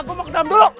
ya gue mau ke dalam dulu